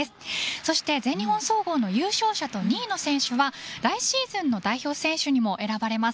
そして全日本総合の優勝者と２位の選手は来シーズンの代表選手にも選ばれます。